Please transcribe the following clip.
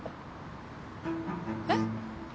えっ？